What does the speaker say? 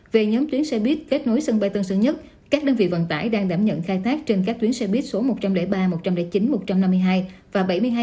về nhóm tuyến xe buýt kết nối sân bay tân sơn nhất các đơn vị vận tải đang đảm nhận khai thác trên các tuyến xe buýt số một trăm linh ba một trăm linh chín một trăm năm mươi hai và bảy mươi hai